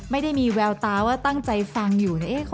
ไม่ได้มีแววตาว่าตั้งใจฟังอยู่นะ